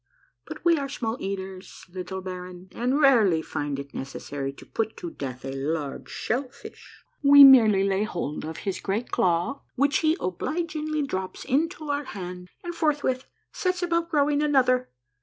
But we are small eaters, little baron, and rarely find it necessary to put to death a large shellfish. We merely lay hold of his great claw, which he obligingly drops into our hand, and forthwith sets about growing another."